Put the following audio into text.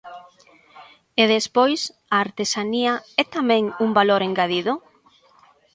E despois, a artesanía é tamén un valor engadido?